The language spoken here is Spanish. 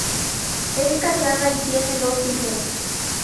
Es casada y tiene dos hijos.